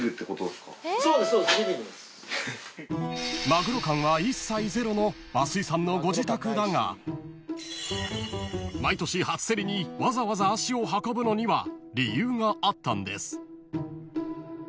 ［マグロ感は一切ゼロの増井さんのご自宅だが毎年初競りにわざわざ足を運ぶのには理由があったんです］